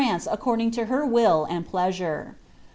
according to her will and pleasure.